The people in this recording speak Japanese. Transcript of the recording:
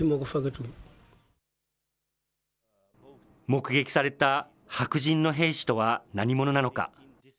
目撃された白人の兵士とは何者なのか。